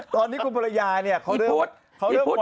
ตอนนี้กุฑุตพลยายอยี่พุทธ